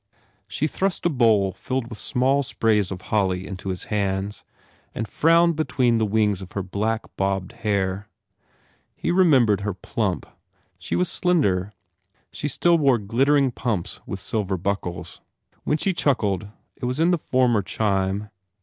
She thrust a bowl filled with small sprays of holly into his hands and frowned between the wings of her black, bobbed hair. He remem bered her plump. She was slender. She still wore glittering pumps with silver buckles. When she chuckled it was in the former chime.